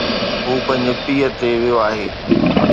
هو پنهنجي پيءُ تي ويو آھي